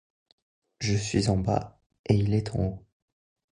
Je suis en bas, et il est en haut.